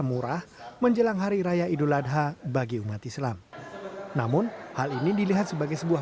murah menjelang hari raya idul adha bagi umat islam namun hal ini dilihat sebagai sebuah